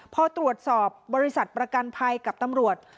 พอตรวจสอบบริษัทประกันภัยกับตำรวจ